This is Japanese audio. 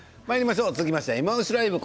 続きまして「いまオシ！ＬＩＶＥ」。